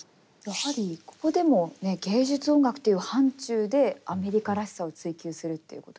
やはりここでもね芸術音楽という範ちゅうでアメリカらしさを追求するっていうことで。